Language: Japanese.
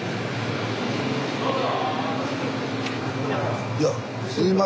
どうぞ！